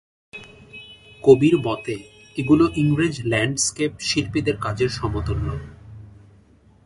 কবির মতে এগুলো ইংরেজ ল্যান্ডস্কেপ শিল্পীদের কাজের সমতুল্য।